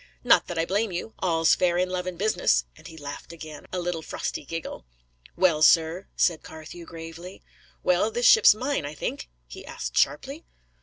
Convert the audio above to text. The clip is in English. "Not that I blame you. All's fair in love and business," and he laughed again, a little frosty giggle. "Well, sir?" said Carthew, gravely. "Well, this ship's mine, I think?" he asked sharply.